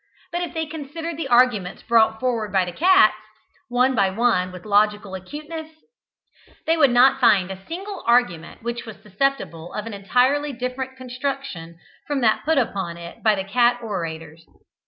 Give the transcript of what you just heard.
But if they considered the arguments brought forward by the cats, one by one, with logical acuteness, they would not find a single argument which was not susceptible of an entirely different construction from that put upon it by the cat orators.